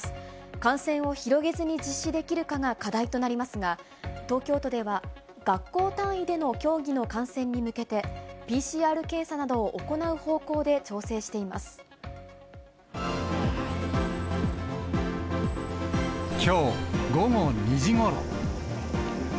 感染を広げずに実施できるかが課題となりますが、東京都では、学校単位での競技の観戦に向けて、ＰＣＲ検査などを行う方向で調整きょう午後２時ごろ。